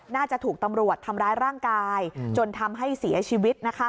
น่าจะถูกตำรวจทำร้ายร่างกายจนทำให้เสียชีวิต